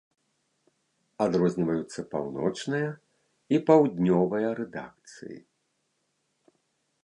Адрозніваюцца паўночная і паўднёвая рэдакцыі.